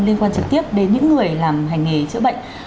liên quan trực tiếp đến những người làm hành nghề chữa bệnh